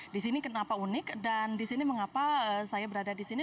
di sini kenapa unik dan di sini mengapa saya berada di sini